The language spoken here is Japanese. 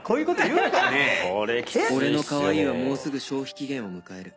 俺のかわいいはもうすぐ消費期限を迎える